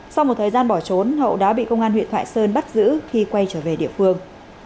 sau một thời gian bỏ trốn hậu đã bị công an huyện thoại sơn bắt giữ khi quay trở về địa phương